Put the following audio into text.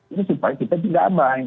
ini supaya kita tidak amai